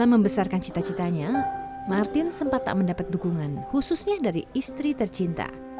membesarkan cita citanya martin sempat tak mendapat dukungan khususnya dari istri tercinta